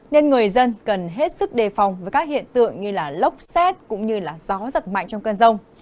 nên người dân cần hết sức đề phòng với các hiện tượng như lốc xét cũng như gió giật mạnh trong cơn rông